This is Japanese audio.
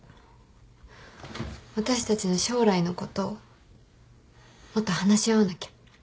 私たちの将来のこともっと話し合わなきゃ。